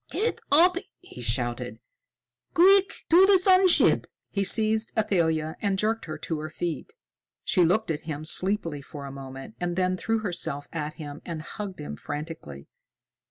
"Get up!" he shouted. "Quick! To the sun ship!" He seized Athalia and jerked her to her feet. She looked at him sleepily for a moment, and then threw herself at him and hugged him frantically.